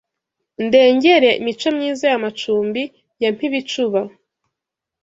Ndengere Micomyiza Ya Macumbi ya Mpibicuba